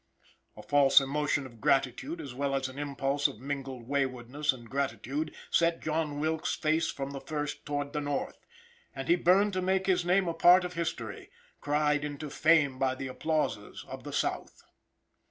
A false emotion of gratitude, as well as an impulse of mingled waywardness and gratitude, set John Wilkes's face from the first toward the North, and he burned to make his name a part of history, cried into fame by the applauses of the South.